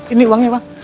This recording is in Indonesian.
ini uangnya bang